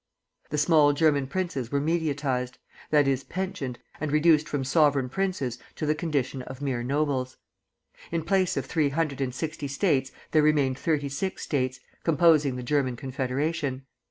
The small German princes were mediatized; that is, pensioned, and reduced from sovereign princes to the condition of mere nobles. In place of three hundred and sixty States there remained thirty six States, composing the German Confederation.